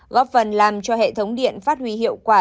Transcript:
góp phần làm cho hệ thống điện phát huy hiệu quả